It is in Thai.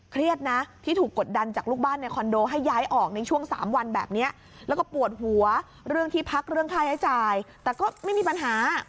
เครียดนะที่ถูกกดดันจากลูกบ้านในคอนโดให้ย้ายออกในช่วง๓วันแบบนี้แล้วก็ปวดหัวเรื่องที่พักเรื่องค่าใช้จ่ายแต่ก็ไม่มีปัญหา